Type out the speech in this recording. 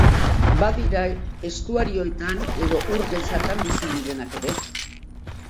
Badira estuarioetan edo ur gezatan bizi direnak ere.